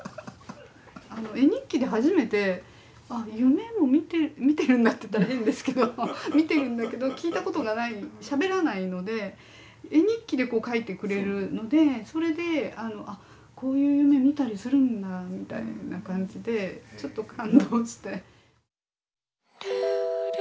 絵日記で初めてあ夢も見てるんだって言ったら変ですけど見てるんだけど聞いたことがないしゃべらないので絵日記でこう描いてくれるのでそれであこういう夢見たりするんだみたいな感じでちょっと感動して。